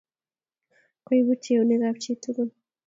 Koibutchi eunek ab chit tugul